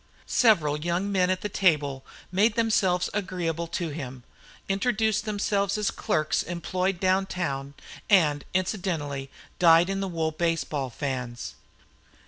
Several young men at the table made themselves agreeable to him, introduced themselves as clerks employed down town, and incidentally dyed in the wool baseball fans.